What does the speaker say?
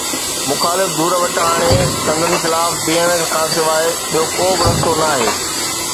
مخالف ڌر وٽ هاڻي سندس خلاف بيهڻ کان سواءِ ٻيو ڪو به رستو ناهي.